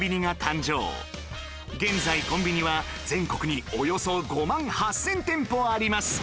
現在コンビニは全国におよそ５万８０００店舗あります